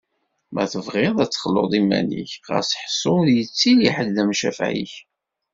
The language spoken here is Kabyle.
Ma tebɣiḍ ad texluḍ iman-ik, xas ḥṣu ur yettili ḥed d amcafeɛ-ik.